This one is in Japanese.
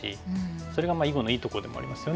それが囲碁のいいところでもありますよね。